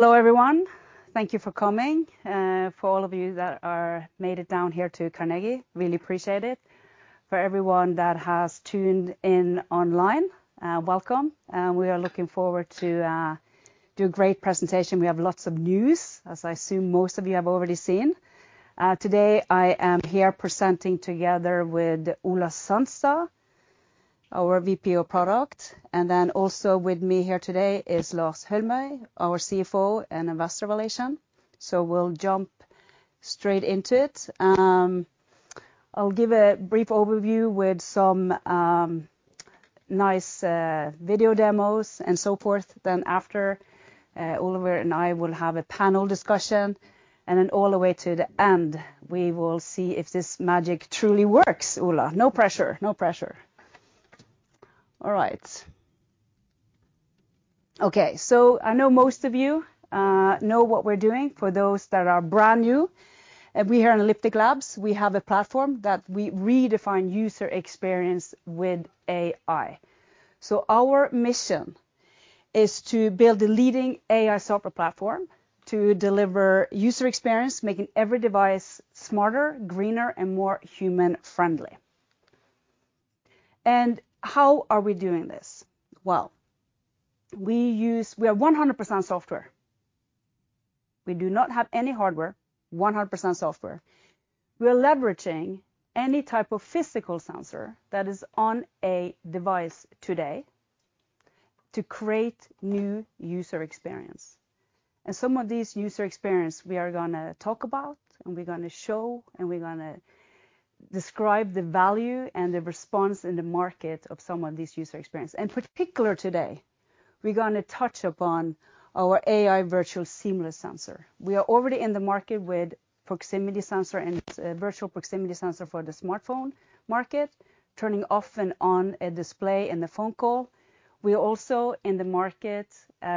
Hello, everyone. Thank you for coming. For all of you that made it down here to Carnegie, really appreciate it. For everyone that has tuned in online, welcome, and we are looking forward to do a great presentation. We have lots of news, as I assume most of you have already seen. Today, I am here presenting together with Ola Sandstå, our VP of Product, and then also with me here today is Lars Holmøe, our CFO and Investor Relations. So we'll jump straight into it. I'll give a brief overview with some nice video demos and so forth. Then after, Oliver and I will have a panel discussion, and then all the way to the end, we will see if this magic truly works. Ola, no pressure, no pressure. All right. Okay, so I know most of you know what we're doing. For those that are brand new, we here in Elliptic Labs, we have a platform that we redefine user experience with AI. Our mission is to build the leading AI software platform to deliver user experience, making every device smarter, greener, and more human-friendly. And how are we doing this? Well, we are 100% software. We do not have any hardware, 100% software. We are leveraging any type of physical sensor that is on a device today to create new user experience. And some of these user experience we are gonna talk about, and we're gonna show, and we're gonna describe the value and the response in the market of some of these user experience. In particular today, we're gonna touch upon our AI Virtual Seamless Sensor. We are already in the market with Proximity Sensor and Virtual Proximity Sensor for the smartphone market, turning off and on a display in a phone call. We are also in the market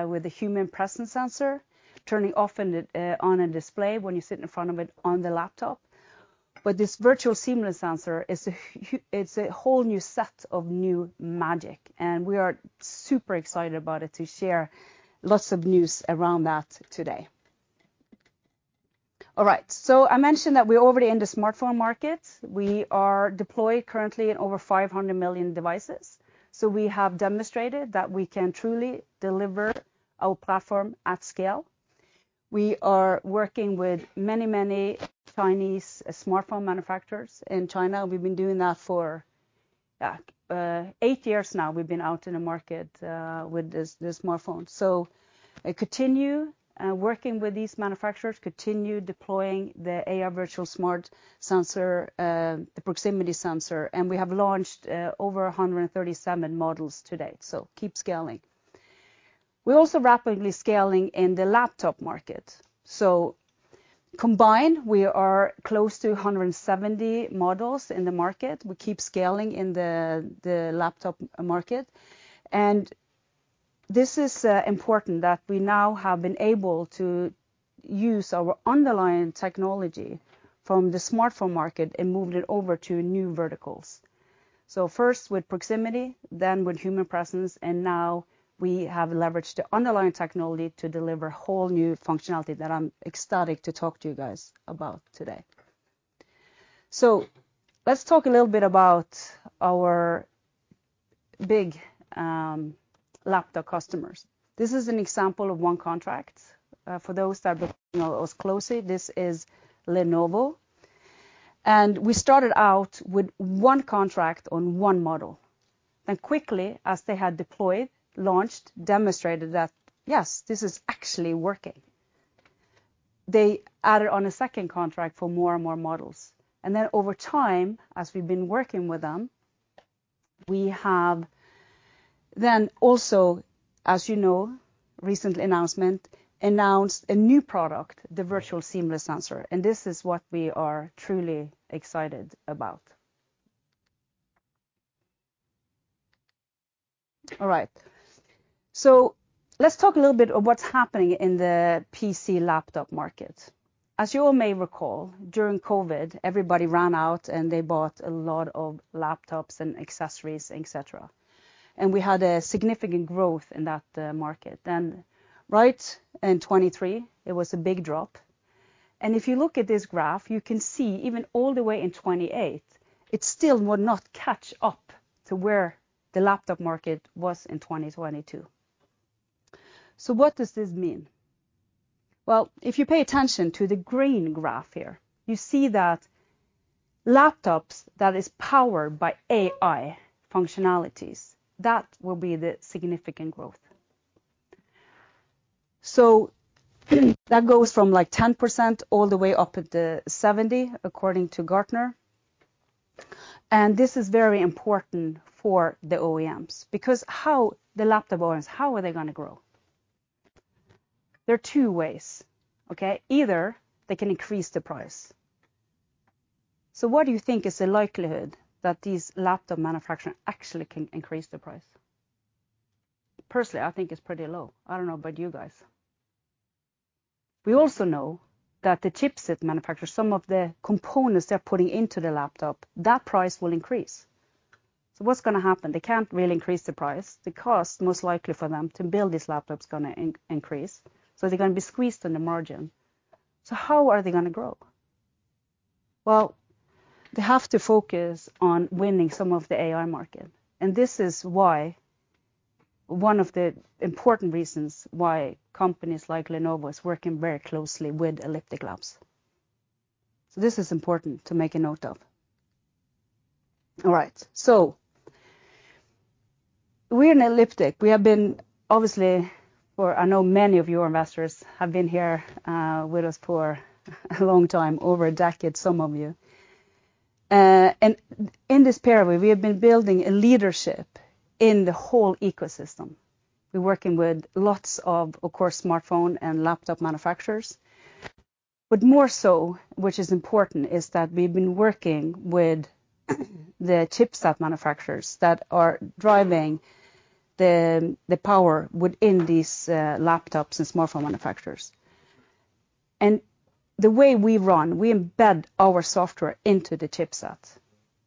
with a Human Presence Sensor, turning off and on a display when you sit in front of it on the laptop. But this Virtual Seamless Sensor is. It's a whole new set of magic, and we are super excited about it to share lots of news around that today. All right. So I mentioned that we're already in the smartphone market. We are deployed currently in over five hundred million devices. So we have demonstrated that we can truly deliver our platform at scale. We are working with many, many Chinese smartphone manufacturers in China. We've been doing that for eight years now we've been out in the market with the smartphone. I continue working with these manufacturers, continue deploying the AI Virtual Smart Sensor, the proximity sensor, and we have launched over 137 models to date. Keep scaling. We're also rapidly scaling in the laptop market. Combined, we are close to 170 models in the market. We keep scaling in the laptop market, and this is important that we now have been able to use our underlying technology from the smartphone market and moved it over to new verticals. First with proximity, then with human presence, and now we have leveraged the underlying technology to deliver whole new functionality that I'm ecstatic to talk to you guys about today. So let's talk a little bit about our big laptop customers. This is an example of one contract. For those that don't know us closely, this is Lenovo. And we started out with one contract on one model. And quickly, as they had deployed, launched, demonstrated that, yes, this is actually working, they added on a second contract for more and more models. And then over time, as we've been working with them, we have then also, as you know, recent announcement, announced a new product, the virtual seamless sensor, and this is what we are truly excited about. All right. So let's talk a little bit of what's happening in the PC laptop market. As you all may recall, during COVID, everybody ran out, and they bought a lot of laptops and accessories, et cetera, and we had a significant growth in that market. Then right in 2023, it was a big drop, and if you look at this graph, you can see even all the way in 2028, it still would not catch up to where the laptop market was in 2022. So what does this mean? Well, if you pay attention to the green graph here, you see that laptops that is powered by AI functionalities, that will be the significant growth. So that goes from, like, 10% all the way up at the 70%, according to Gartner, and this is very important for the OEMs, because how... the laptop owners, how are they gonna grow? There are two ways, okay? Either they can increase the price. So what do you think is the likelihood that these laptop manufacturers actually can increase the price? Personally, I think it's pretty low. I don't know about you guys. We also know that the chipset manufacturer, some of the components they're putting into the laptop, that price will increase. So what's gonna happen? They can't really increase the price. The cost, most likely for them to build this laptop is gonna increase, so they're gonna be squeezed on the margin. So how are they gonna grow? Well, they have to focus on winning some of the AI market, and this is why, one of the important reasons why companies like Lenovo is working very closely with Elliptic Labs. So this is important to make a note of. All right, so we in Elliptic, we have been obviously or I know many of you investors have been here with us for a long time, over a decade, some of you, and in this period, we have been building a leadership in the whole ecosystem. We're working with lots of, of course, smartphone and laptop manufacturers, but more so, which is important, is that we've been working with the chipset manufacturers that are driving the power within these laptops and smartphone manufacturers. And the way we run, we embed our software into the chipset.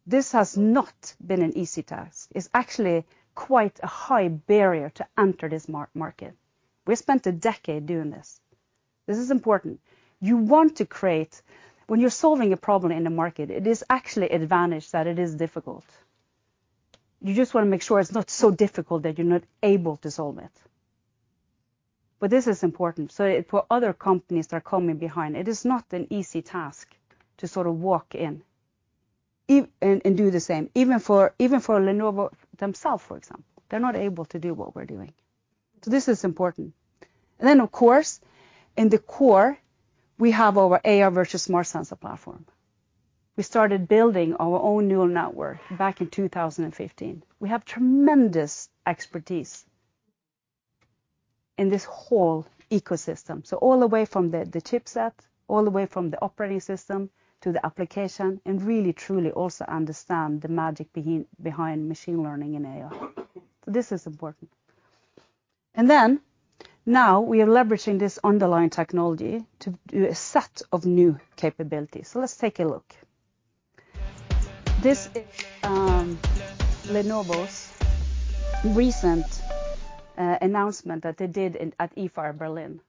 This has not been an easy task. It's actually quite a high barrier to enter this market. We spent a decade doing this. This is important. You want to create... When you're solving a problem in the market, it is actually advantage that it is difficult. You just wanna make sure it's not so difficult that you're not able to solve it. But this is important. So for other companies that are coming behind, it is not an easy task to sort of walk in, and do the same. Even for, even for Lenovo themselves, for example, they're not able to do what we're doing, so this is important, and then, of course, in the core, we have our AI Virtual Smart Sensor Platform. We started building our own neural network back in 2015. We have tremendous expertise in this whole ecosystem, so all the way from the, the chipset, all the way from the operating system to the application, and really, truly also understand the magic behind machine learning and AI. So this is important, and then, now we are leveraging this underlying technology to do a set of new capabilities, so let's take a look. This is Lenovo's recent announcement that they did in, at IFA in Berlin,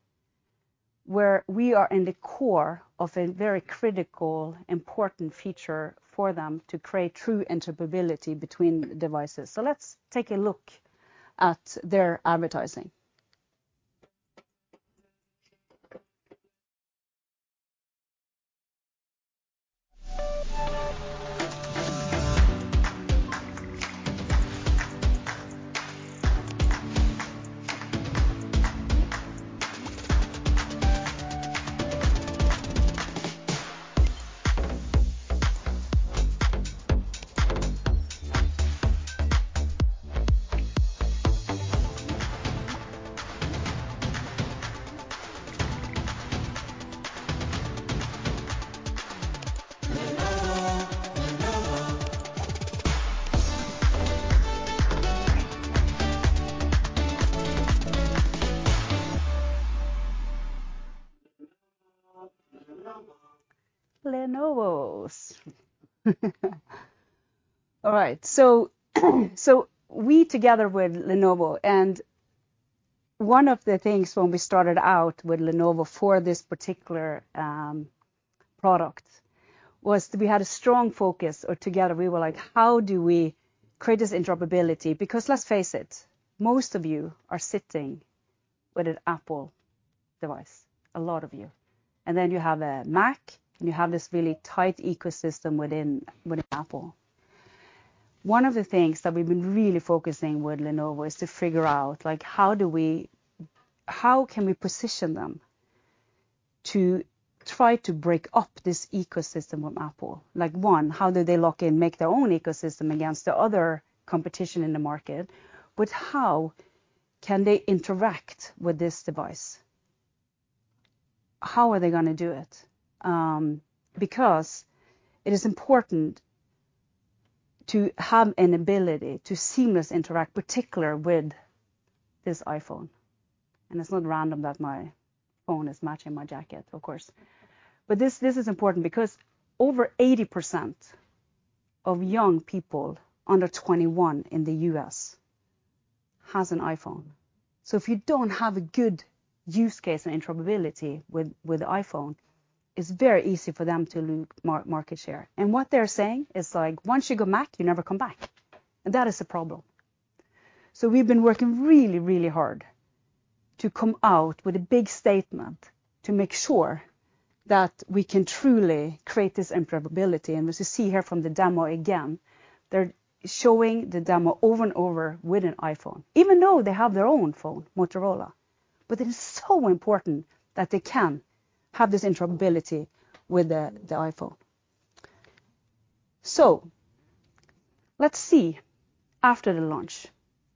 where we are in the core of a very critical, important feature for them to create true interoperability between devices. So let's take a look at their advertising. Lenovo, Lenovo. Lenovo, Lenovo. Lenovo's. All right, so we together with Lenovo, and one of the things when we started out with Lenovo for this particular product, was we had a strong focus, or together we were like: how do we create this interoperability? Because let's face it, most of you are sitting with an Apple device, a lot of you, and then you have a Mac, and you have this really tight ecosystem within Apple. One of the things that we've been really focusing with Lenovo is to figure out, like, how do we, how can we position them to try to break up this ecosystem with Apple? Like, one, how do they lock and make their own ecosystem against the other competition in the market? But how can they interact with this device? How are they gonna do it? Because it is important to have an ability to seamlessly interact, particularly with this iPhone, and it's not random that my phone is matching my jacket, of course, but this is important because over 80% of young people under 21 in the U.S. has an iPhone, so if you don't have a good use case and interoperability with the iPhone, it's very easy for them to lose market share, and what they're saying is, like, "Once you go Mac, you never come back," and that is a problem, so we've been working really, really hard to come out with a big statement to make sure that we can truly create this interoperability, and as you see here from the demo, again, they're showing the demo over and over with an iPhone, even though they have their own phone, Motorola. But it is so important that they can have this interoperability with the iPhone. So let's see, after the launch,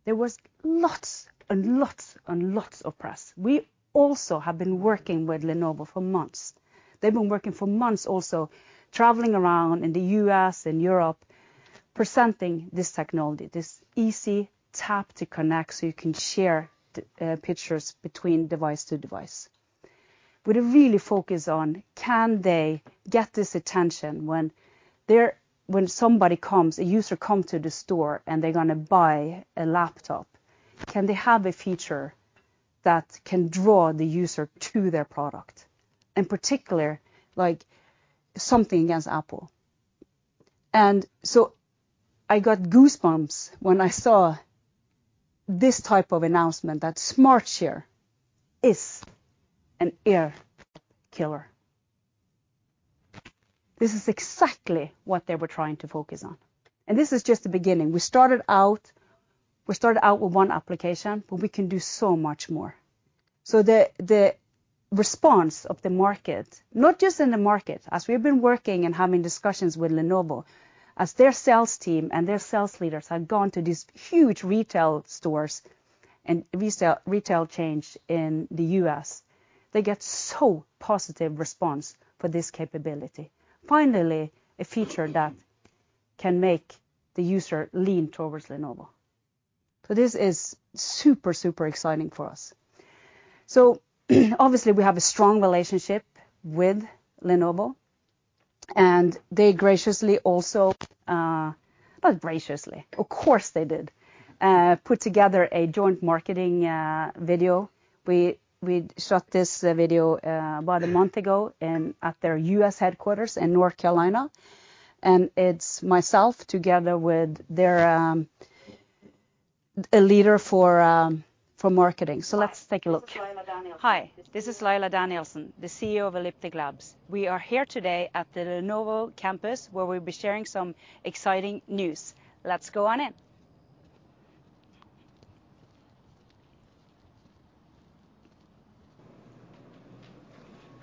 there was lots and lots and lots of press. We also have been working with Lenovo for months. They've been working for months, also, traveling around in the US and Europe, presenting this technology, this easy tap to connect so you can share the pictures between device to device with a really focus on can they get this attention when somebody comes, a user come to the store, and they're gonna buy a laptop, can they have a feature that can draw the user to their product? In particular, like, something against Apple. And so I got goosebumps when I saw this type of announcement, that Smart Share is an AirDrop killer. This is exactly what they were trying to focus on, and this is just the beginning. We started out with one application, but we can do so much more. So the response of the market, not just in the market, as we've been working and having discussions with Lenovo, as their sales team and their sales leaders have gone to these huge retail stores and retail chains in the U.S., they get so positive response for this capability. Finally, a feature that can make the user lean towards Lenovo. So this is super, super exciting for us. So, obviously, we have a strong relationship with Lenovo, and they graciously also, not graciously, of course, they did, put together a joint marketing video. We shot this video about a month ago at their U.S. headquarters in North Carolina, and it's myself together with their a leader for marketing. So let's take a look. Hi, this is Laila Danielsen, the CEO of Elliptic Labs. We are here today at the Lenovo campus, where we'll be sharing some exciting news. Let's go on in.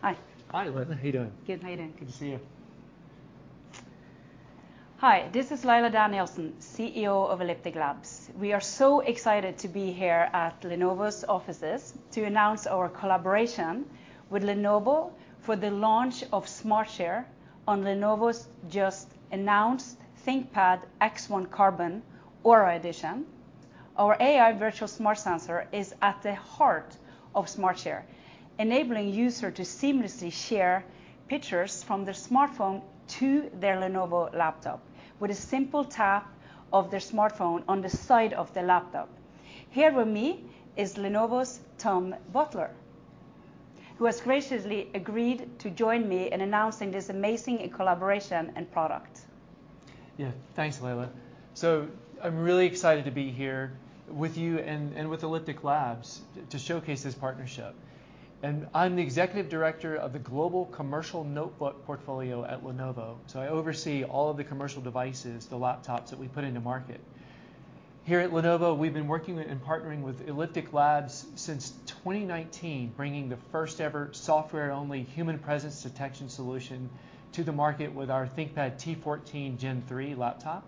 Hi. Hi, Laila. How are you doing? Good. How are you doing? Good to see you. Hi, this is Laila Danielsen, CEO of Elliptic Labs. We are so excited to be here at Lenovo's offices to announce our collaboration with Lenovo for the launch of Smart Share on Lenovo's just-announced ThinkPad X1 Carbon Aura Edition. Our AI Virtual Smart Sensor is at the heart of Smart Share, enabling user to seamlessly share pictures from their smartphone to their Lenovo laptop with a simple tap of their smartphone on the side of the laptop. Here with me is Lenovo's Tom Butler, who has graciously agreed to join me in announcing this amazing collaboration and product. Yeah, thanks, Laila. So I'm really excited to be here with you and with Elliptic Labs to showcase this partnership. And I'm the Executive Director of the Global Commercial Notebook Portfolio at Lenovo, so I oversee all of the commercial devices, the laptops that we put into market. Here at Lenovo, we've been working with and partnering with Elliptic Labs since 2019, bringing the first-ever software-only human presence detection solution to the market with our ThinkPad T14 Gen 3 laptop.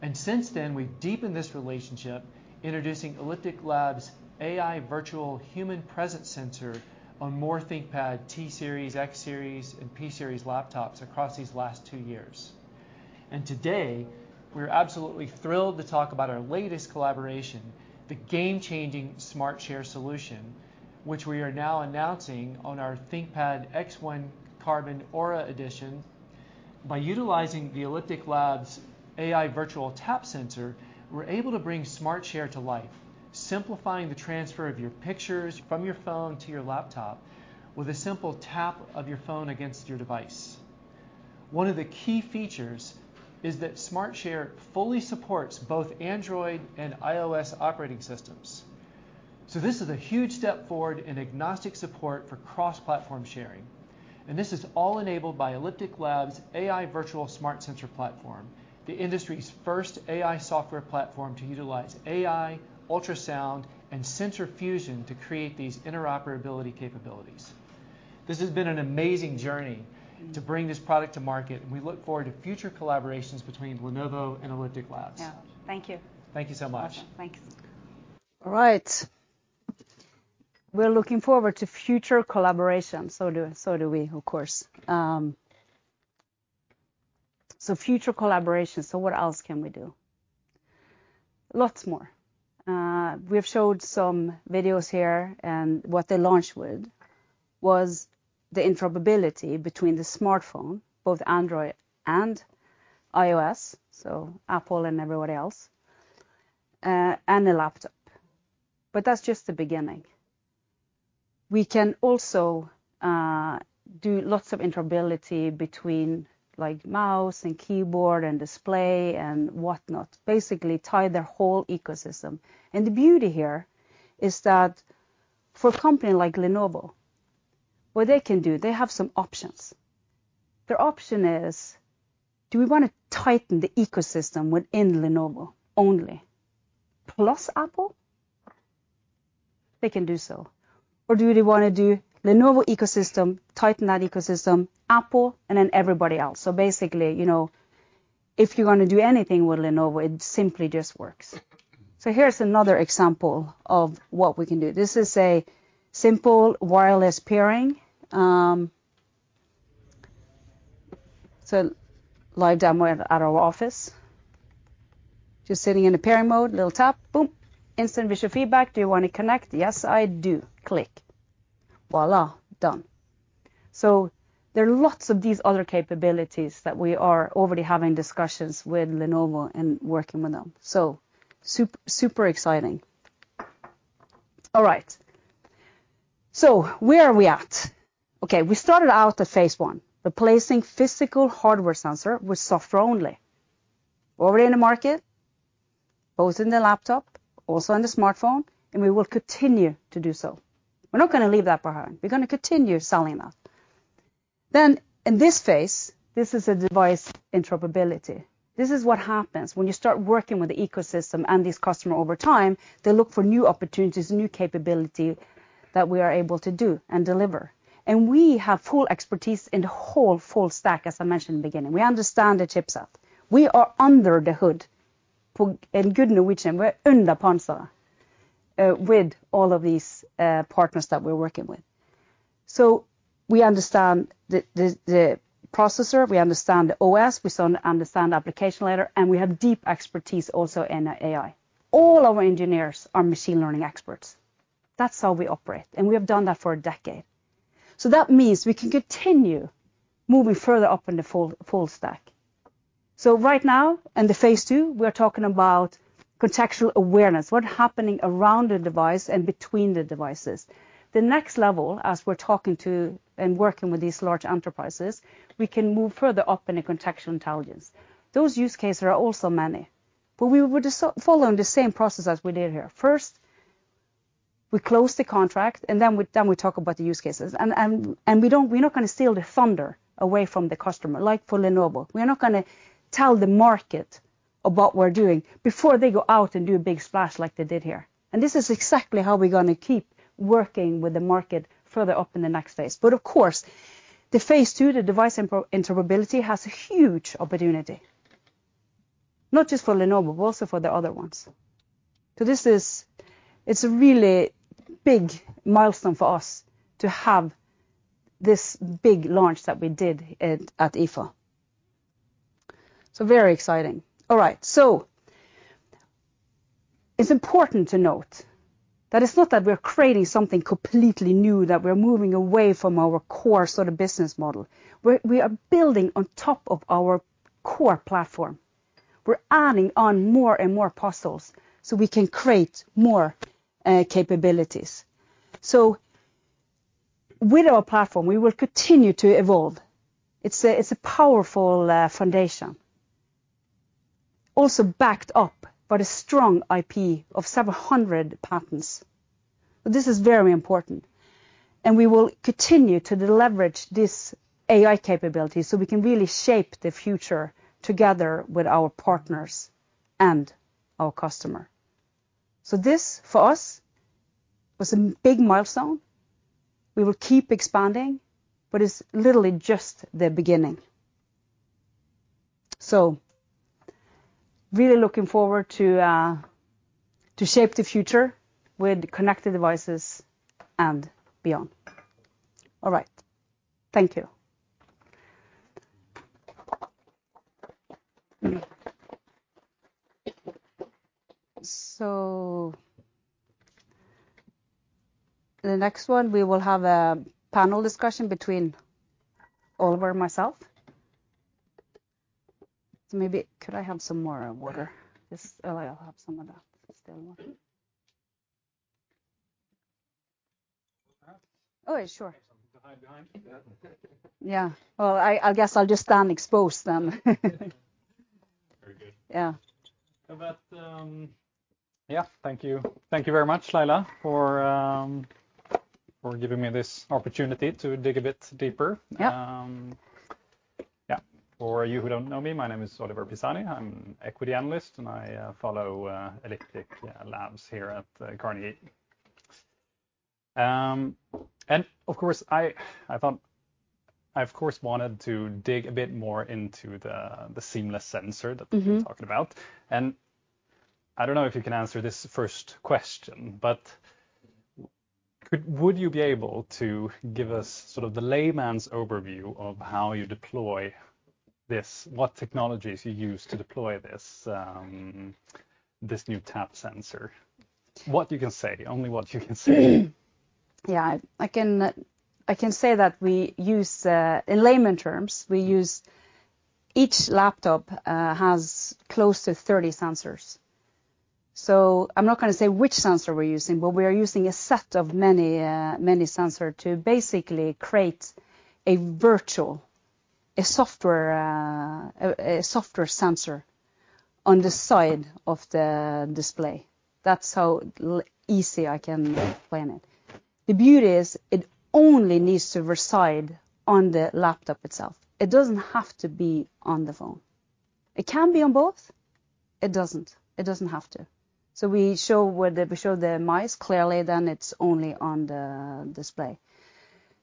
And since then, we've deepened this relationship, introducing Elliptic Labs' AI Virtual Human Presence Sensor on more ThinkPad T Series, X Series, and P Series laptops across these last two years. And today, we're absolutely thrilled to talk about our latest collaboration, the game-changing Smart Share solution, which we are now announcing on our ThinkPad X1 Carbon Aura Edition. By utilizing the Elliptic Labs' AI Virtual Tap Sensor, we're able to bring Smart Share to life, simplifying the transfer of your pictures from your phone to your laptop with a simple tap of your phone against your device. One of the key features is that Smart Share fully supports both Android and iOS operating systems. So this is a huge step forward in agnostic support for cross-platform sharing, and this is all enabled by Elliptic Labs' AI Virtual Smart Sensor Platform, the industry's first AI software platform to utilize AI, ultrasound, and sensor fusion to create these interoperability capabilities. This has been an amazing journey to bring this product to market, and we look forward to future collaborations between Lenovo and Elliptic Labs. Yeah. Thank you. Thank you so much. Thanks. All right. We're looking forward to future collaboration. So do we, of course. So what else can we do? Lots more. We've showed some videos here, and what they launched with was the interoperability between the smartphone, both Android and iOS, so Apple and everybody else, and the laptop, but that's just the beginning. We can also do lots of interoperability between, like, mouse and keyboard and display and whatnot, basically tie their whole ecosystem, and the beauty here is that for a company like Lenovo, what they can do, they have some options. Their option is: do we want to tighten the ecosystem within Lenovo only, plus Apple? They can do so. Or do they want to do Lenovo ecosystem, tighten that ecosystem, Apple, and then everybody else? So basically, you know, if you're going to do anything with Lenovo, it simply just works. So here's another example of what we can do. This is a simple wireless pairing. So live demo at our office. Just sitting in a pairing mode, little tap, boom! Instant visual feedback. Do you want to connect? Yes, I do. Click. Voila, done. So there are lots of these other capabilities that we are already having discussions with Lenovo and working with them. So super exciting. All right, so where are we at? Okay, we started out at phase I, replacing physical hardware sensor with software only. Already in the market, both in the laptop, also in the smartphone, and we will continue to do so. We're not gonna leave that behind. We're gonna continue selling that. Then in this phase, this is a device interoperability. This is what happens when you start working with the ecosystem and these customers over time. They look for new opportunities, new capabilities that we are able to do and deliver. We have full expertise in the whole full stack, as I mentioned in the beginning. We understand the chipset. We are under the hood. På god norsken, we're under panseret with all of these partners that we're working with. We understand the processor. We understand the OS. We understand the application layer, and we have deep expertise also in AI. All our engineers are machine learning experts. That's how we operate, and we have done that for a decade. That means we can continue moving further up in the full, full stack. Right now, in the phase II, we are talking about contextual awareness, what happening around the device and between the devices. The next level, as we're talking to and working with these large enterprises, we can move further up in the contextual intelligence. Those use cases are also many, but we would just follow the same process as we did here. First, we close the contract, and then we talk about the use cases, and we're not gonna steal the thunder away from the customer, like for Lenovo. We are not gonna tell the market about what we're doing before they go out and do a big splash like they did here. This is exactly how we're gonna keep working with the market further up in the next phase. But of course, the phase II, the device interoperability, has a huge opportunity, not just for Lenovo, but also for the other ones. So this is. It's a really big milestone for us to have this big launch that we did at IFA. So very exciting. All right, so it's important to note that it's not that we're creating something completely new, that we're moving away from our core sort of business model. We are building on top of our core platform. We're adding on more and more pieces so we can create more capabilities. So with our platform, we will continue to evolve. It's a powerful foundation. Also backed up by the strong IP of several hundred patents. But this is very important, and we will continue to leverage this AI capability so we can really shape the future together with our partners and our customer. So this, for us, was a big milestone. We will keep expanding, but it's literally just the beginning. So really looking forward to shape the future with connected devices and beyond. All right. Thank you. So the next one, we will have a panel discussion between Oliver and myself. So maybe could I have some more water? Just... Oh, I'll have some of that. Still water. Oh, sure. Something to hide behind. Yeah. Well, I guess I'll just stand exposed then. Very good. Yeah. But, yeah. Thank you. Thank you very much, Laila, for giving me this opportunity to dig a bit deeper. Yeah. Yeah. For you who don't know me, my name is Oliver Pisani. I'm equity analyst, and I follow Elliptic, yeah, Labs here at the Carnegie. And of course, I wanted to dig a bit more into the seamless sensor that you were talking about. And I don't know if you can answer this first question, but could, would you be able to give us sort of the layman's overview of how you deploy this, what technologies you use to deploy this, this new tap sensor? What you can say, only what you can say. Yeah, I can, I can say that we use. In layman terms, we use each laptop has close to 30 sensors. So I'm not gonna say which sensor we're using, but we are using a set of many sensors to basically create a virtual software sensor on the side of the display. That's how easy I can explain it. The beauty is, it only needs to reside on the laptop itself. It doesn't have to be on the phone. It can be on both. It doesn't. It doesn't have to. So we show the mic clearly, then it's only on the display.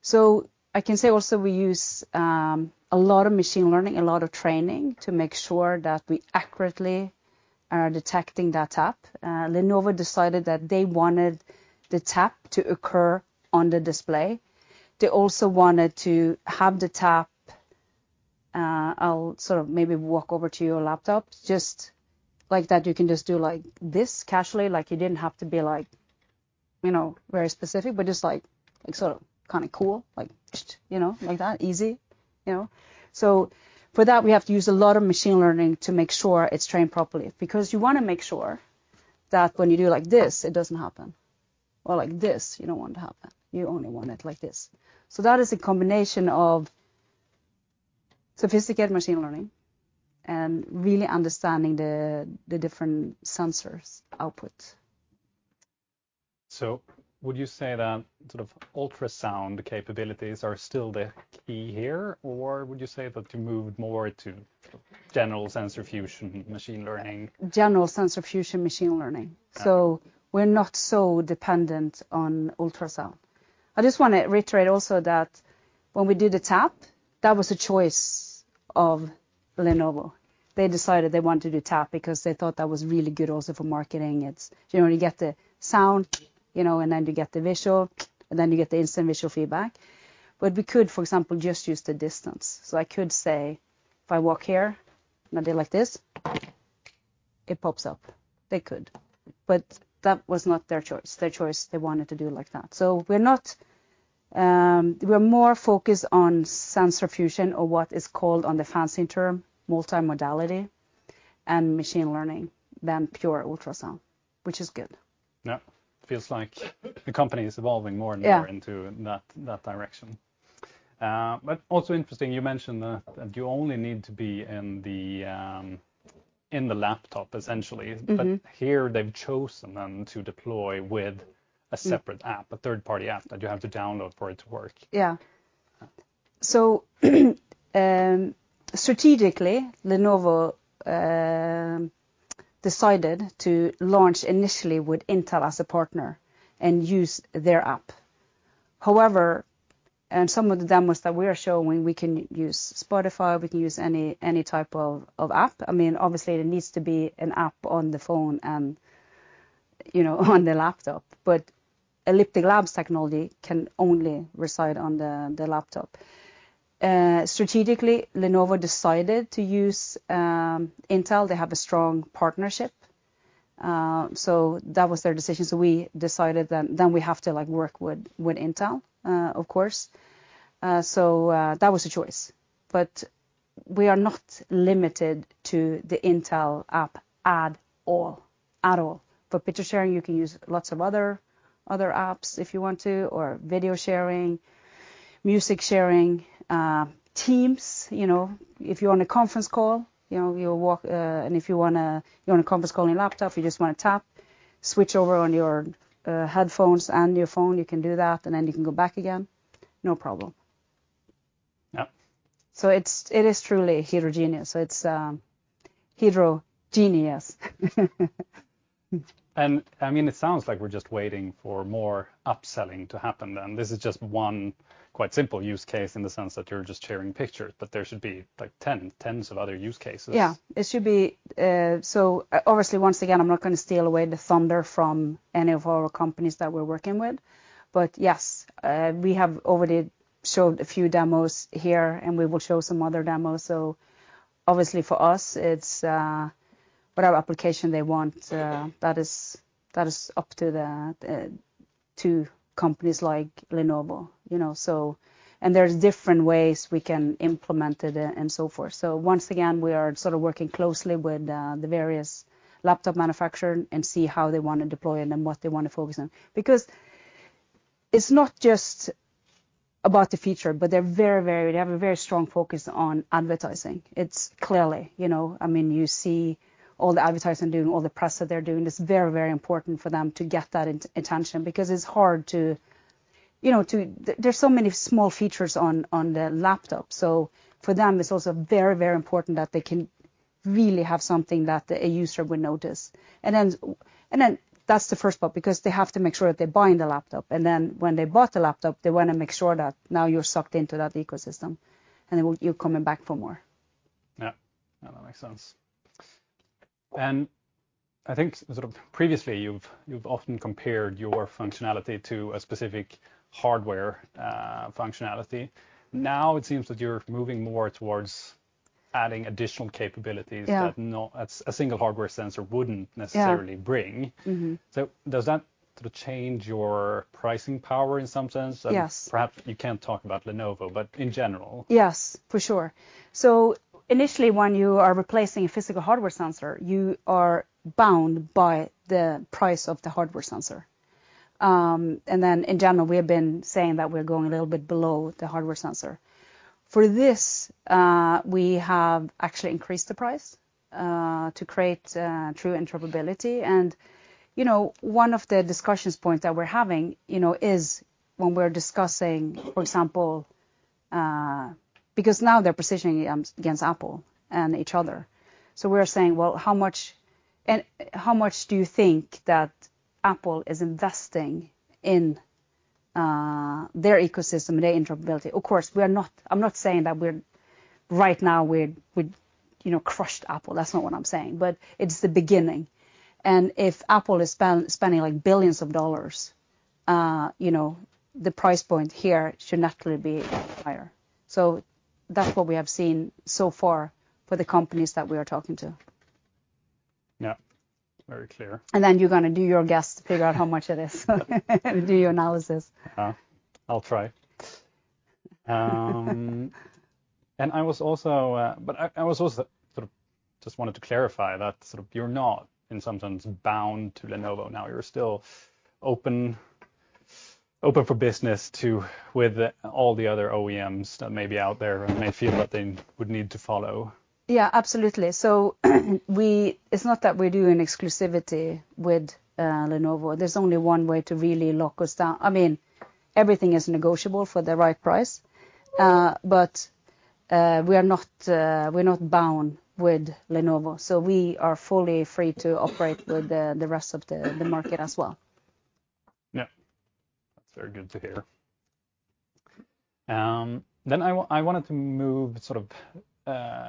So I can say also, we use a lot of machine learning, a lot of training to make sure that we accurately are detecting that tap. Lenovo decided that they wanted the tap to occur on the display. They also wanted to have the tap, I'll sort of maybe walk over to your laptop. Just like that, you can just do like this casually, like, you didn't have to be like, you know, very specific, but just, like, sort of kind of cool, like, tsh, you know, like that easy, you know? So for that, we have to use a lot of machine learning to make sure it's trained properly, because you wanna make sure that when you do like this, it doesn't happen, or like this, you don't want it to happen. You only want it like this. So that is a combination of sophisticated machine learning and really understanding the, the different sensors' output. Would you say that sort of ultrasound capabilities are still the key here, or would you say that you moved more to general sensor fusion, machine learning? General sensor fusion, machine learning. Okay. So we're not so dependent on ultrasound. I just want to reiterate also that when we did the tap, that was a choice of Lenovo. They decided they wanted to do tap because they thought that was really good also for marketing. It's, you know, you get the sound, you know, and then you get the visual, and then you get the instant visual feedback. But we could, for example, just use the distance. So I could say, if I walk here and I do like this, it pops up. They could, but that was not their choice. Their choice, they wanted to do it like that. So we're not. We're more focused on sensor fusion, or what is called, on the fancy term, multimodality and machine learning than pure ultrasound, which is good. Yeah. Feels like the company is evolving more- Yeah... and more into that direction. But also interesting, you mentioned that you only need to be in the laptop, essentially. Mm-hmm. But here they've chosen then to deploy with a separate app, a third-party app that you have to download for it to work. Yeah. So, strategically, Lenovo decided to launch initially with Intel as a partner and use their app. However, in some of the demos that we are showing, we can use Spotify, we can use any type of app. I mean, obviously, it needs to be an app on the phone and, you know, on the laptop, but Elliptic Labs technology can only reside on the laptop. Strategically, Lenovo decided to use Intel. They have a strong partnership, so that was their decision, so we decided then we have to, like, work with Intel, of course. So, that was a choice, but we are not limited to the Intel app at all. At all. For picture sharing, you can use lots of other apps if you want to, or video sharing, music sharing, Teams. You know, if you're on a conference call, you know, you walk, and if you wanna you're on a conference call on your laptop, you just want to tap, switch over on your headphones and your phone, you can do that, and then you can go back again. No problem. Yeah. So it is truly heterogeneous. I mean, it sounds like we're just waiting for more upselling to happen, and this is just one quite simple use case in the sense that you're just sharing pictures, but there should be, like, ten, tens of other use cases. Yeah, it should be. So obviously, once again, I'm not going to steal away the thunder from any of our companies that we're working with, but yes, we have already showed a few demos here, and we will show some other demos. So obviously, for us, it's whatever application they want, that is up to the to companies like Lenovo, you know, so. And there's different ways we can implement it and so forth. So once again, we are sort of working closely with the various laptop manufacturer and see how they want to deploy it and what they want to focus on. Because it's not just about the feature, but they're very, very. They have a very strong focus on advertising. It's clearly. You know, I mean, you see all the advertising doing, all the press that they're doing, it's very, very important for them to get that attention, because it's hard to, you know, to. There's so many small features on the laptop. So for them, it's also very, very important that they can really have something that a user will notice. And then that's the first part, because they have to make sure that they're buying the laptop, and then when they bought the laptop, they wanna make sure that now you're sucked into that ecosystem, and then you're coming back for more. Yeah. Yeah, that makes sense. And I think sort of previously, you've often compared your functionality to a specific hardware functionality. Now it seems that you're moving more towards adding additional capabilities- Yeah... that not a single hardware sensor wouldn't necessarily bring. Yeah. Mm-hmm. So does that sort of change your pricing power in some sense? Yes. Perhaps you can't talk about Lenovo, but in general. Yes, for sure. So initially, when you are replacing a physical hardware sensor, you are bound by the price of the hardware sensor. And then in general, we have been saying that we're going a little bit below the hardware sensor. For this, we have actually increased the price to create true interoperability. And, you know, one of the discussions points that we're having, you know, is when we're discussing, for example, because now they're positioning against Apple and each other. So we're saying: "Well, how much, and how much do you think that Apple is investing in their ecosystem and their interoperability. Of course, I'm not saying that we're, right now, we, you know, crushed Apple. That's not what I'm saying, but it's the beginning. And if Apple is spending, like, billions of dollars, you know, the price point here should naturally be higher. So that's what we have seen so far for the companies that we are talking to. Yeah, very clear. And then you're gonna do your guess to figure out how much it is. Do your analysis. I'll try. And I was also sort of just wanted to clarify that sort of you're not somehow bound to Lenovo now. You're still open for business with all the other OEMs that may be out there and may feel that they would need to follow. Yeah, absolutely. So, it's not that we're doing exclusivity with Lenovo. There's only one way to really lock us down. I mean, everything is negotiable for the right price, but we are not, we're not bound with Lenovo, so we are fully free to operate with the rest of the market as well. Yeah. That's very good to hear. Then I wanted to move sort of,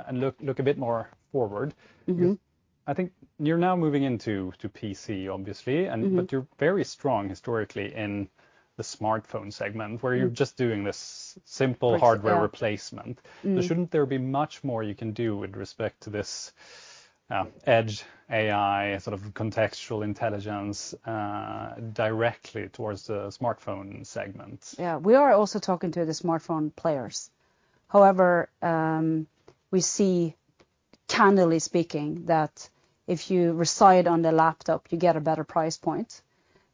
and look a bit more forward. Because I think you're now moving into PC, obviously and but you're very strong historically in the smartphone segment, where you're just doing this simple- Yeah -hardware replacement. But shouldn't there be much more you can do with respect to this, Edge AI, sort of contextual intelligence, directly towards the smartphone segment? Yeah. We are also talking to the smartphone players. However, we see, candidly speaking, that if you reside on the laptop, you get a better price point.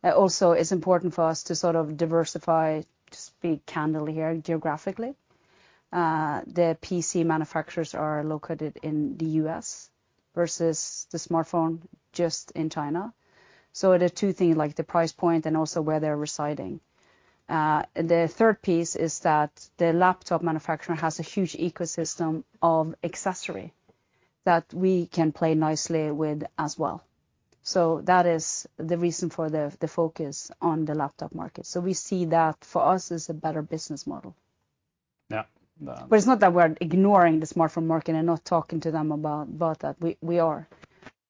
Also, it's important for us to sort of diversify, to speak candidly here, geographically. The PC manufacturers are located in the U.S., versus the smartphone just in China. So there are two things, like the price point and also where they're residing. The third piece is that the laptop manufacturer has a huge ecosystem of accessory that we can play nicely with as well. So that is the reason for the focus on the laptop market. So we see that, for us, is a better business model. Yeah. But it's not that we're ignoring the smartphone market and not talking to them about that. We are.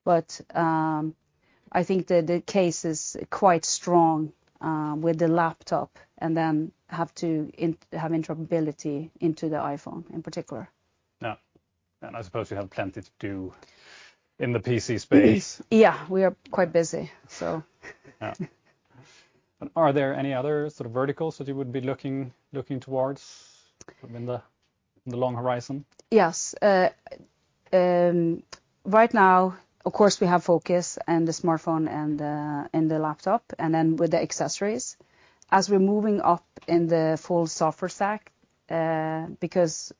But I think the case is quite strong with the laptop, and then have to have interoperability into the iPhone in particular. Yeah, and I suppose you have plenty to do in the PC space. Yeah, we are quite busy, so. Yeah. Are there any other sort of verticals that you would be looking towards in the long horizon? Yes. Right now, of course, we have focus in the smartphone and in the laptop, and then with the accessories. As we're moving up in the full software stack, because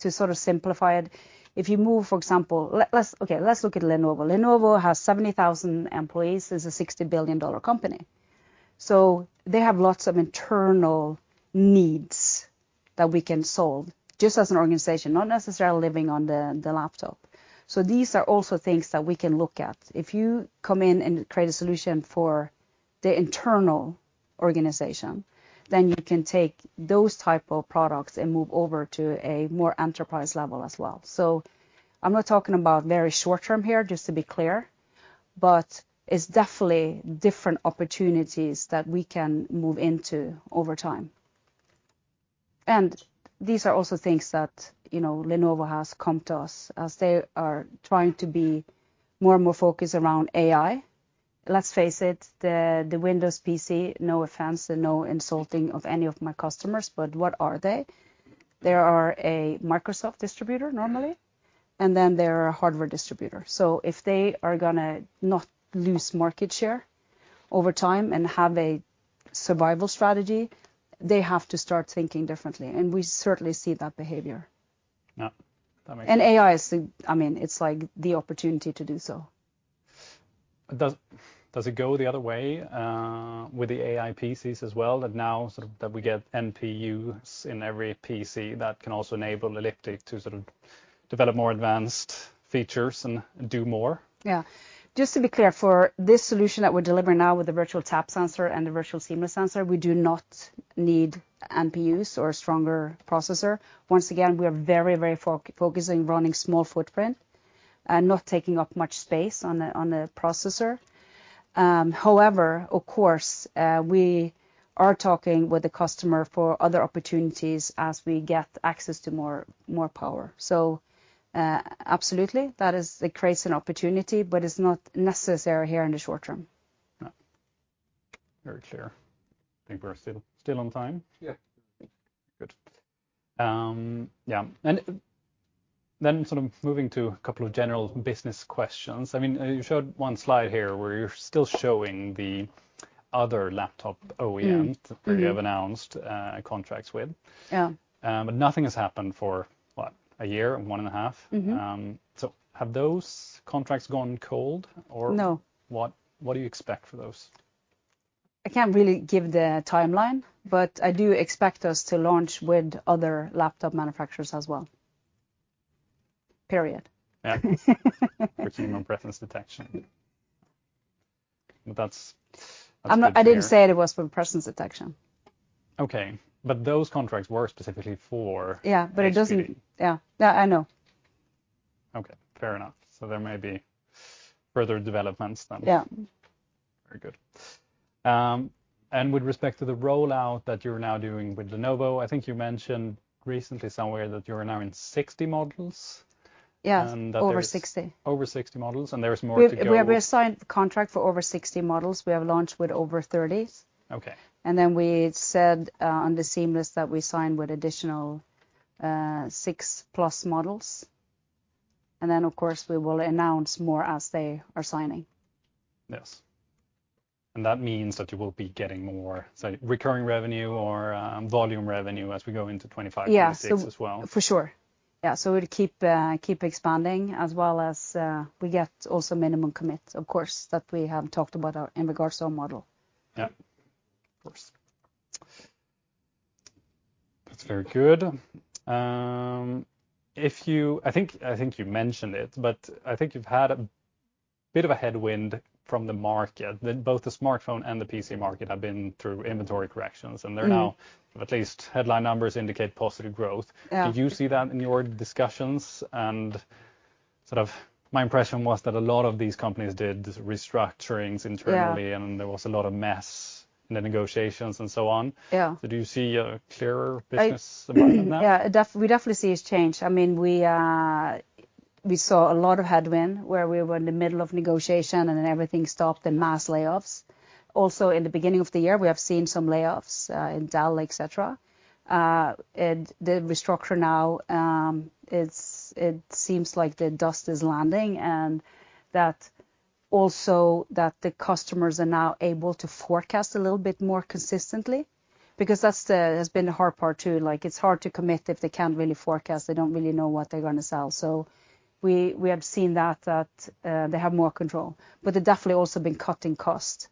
to sort of simplify it, if you move, for example, let's look at Lenovo. Lenovo has 70,000 employees, is a $60 billion company, so they have lots of internal needs that we can solve, just as an organization, not necessarily living on the laptop. So these are also things that we can look at. If you come in and create a solution for the internal organization, then you can take those type of products and move over to a more enterprise level as well. So I'm not talking about very short term here, just to be clear, but it's definitely different opportunities that we can move into over time. These are also things that, you know, Lenovo has come to us, as they are trying to be more and more focused around AI. Let's face it, the Windows PC, no offense and no insulting of any of my customers, but what are they? They are a Microsoft distributor normally, and then they're a hardware distributor. So if they are gonna not lose market share over time and have a survival strategy, they have to start thinking differently, and we certainly see that behavior. Yeah. That makes- And AI is the... I mean, it's like the opportunity to do so. Does it go the other way with the AI PCs as well, that now sort of we get NPUs in every PC, that can also enable Elliptic to sort of develop more advanced features and do more? Yeah. Just to be clear, for this solution that we're delivering now with the virtual tap sensor and the virtual seamless sensor, we do not need NPUs or a stronger processor. Once again, we are very, very focusing on running small footprint and not taking up much space on the, on the processor. However, of course, we are talking with the customer for other opportunities as we get access to more power. So, absolutely, it creates an opportunity, but it's not necessary here in the short term. Yeah. Very clear. I think we're still on time? Yeah. Good. Yeah, and then sort of moving to a couple of general business questions. I mean, you showed one slide here, where you're still showing the other laptop OEMs that you have announced, contracts with. Yeah. But nothing has happened for, what, a year, one and a half? Mm-hmm. So have those contracts gone cold or- No. -what do you expect for those? I can't really give the timeline, but I do expect us to launch with other laptop manufacturers as well. Period. Yeah, working on presence detection. But that's, that's good to hear. I'm not. I didn't say it was for presence detection. Okay, but those contracts were specifically for- Yeah, but it doesn't- [HPD.] Yeah. Yeah, I know. Okay, fair enough. So there may be further developments then. Yeah. Very good. And with respect to the rollout that you're now doing with Lenovo, I think you mentioned recently somewhere that you are now in 60 models? Yes. And that there's- Over 60. Over 60 models, and there is more to go. We assigned the contract for over 60 models. We have launched with over 30. Okay. And then we said on the seamless that we signed with additional six plus models, and then, of course, we will announce more as they are signing. Yes, and that means that you will be getting more, so recurring revenue or volume revenue as we go into 2025, 2026 as well? Yeah, for sure. Yeah, so we'll keep expanding as well as we get also minimum commits, of course, that we have talked about, in regards to our model. Yeah. Of course. That's very good. If you... I think you mentioned it, but I think you've had a bit of a headwind from the market, that both the smartphone and the PC market have been through inventory corrections. Mm-hmm... and they're now, at least headline numbers indicate positive growth. Yeah. Did you see that in your discussions? And sort of my impression was that a lot of these companies did restructurings internally- Yeah... and there was a lot of mess in the negotiations and so on. Yeah. So do you see a clearer business environment now? Yeah. Yeah, we definitely see it's changed. I mean, we saw a lot of headwind where we were in the middle of negotiation, and then everything stopped, then mass layoffs. Also, in the beginning of the year, we have seen some layoffs in Dell, et cetera. And the restructure now, it seems like the dust is landing, and that the customers are now able to forecast a little bit more consistently, because that's has been the hard part, too. Like, it's hard to commit if they can't really forecast. They don't really know what they're gonna sell. So we have seen that they have more control. But they've definitely also been cutting costs,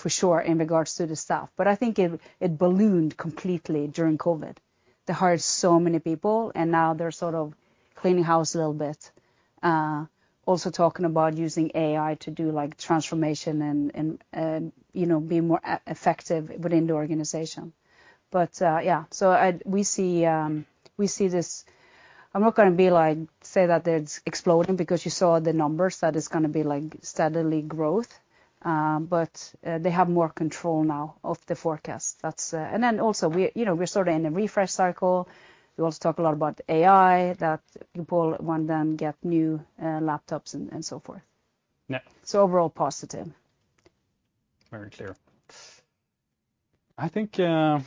for sure, in regards to the staff. But I think it ballooned completely during COVID. They hired so many people, and now they're sort of cleaning house a little bit. Also talking about using AI to do, like, transformation and you know, be more effective within the organization, but yeah, we see this. I'm not gonna be, like, say that it's exploding, because you saw the numbers. That is gonna be, like, steadily growth, but they have more control now of the forecast. That's, and then also, we you know, we're sort of in a refresh cycle. We also talk a lot about AI, that people want then get new laptops and so forth. Yeah. So overall, positive. Very clear. I think that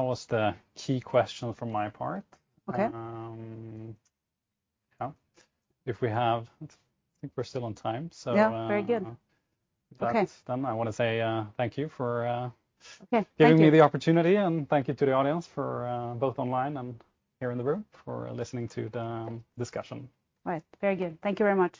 was the key question from my part. Okay. Yeah, if we have... I think we're still on time, so, Yeah, very good. If that's- Okay... done, I want to say, thank you for, Okay, thank you.... giving me the opportunity, and thank you to the audience for both online and here in the room, for listening to the discussion. Right. Very good. Thank you very much.